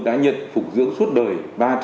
đã nhận phục dưỡng suốt đời